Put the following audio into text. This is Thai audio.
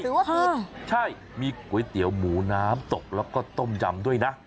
ว่าคือใช่มีก๋วยเตี๋ยวหมูน้ำตกแล้วก็ต้มยำด้วยนะ